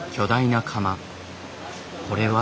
これは？